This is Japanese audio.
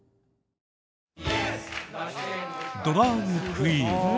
ドラァグクイーン。